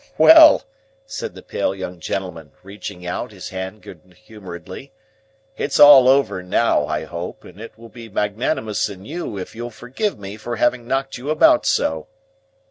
"Well!" said the pale young gentleman, reaching out his hand good humouredly, "it's all over now, I hope, and it will be magnanimous in you if you'll forgive me for having knocked you about so."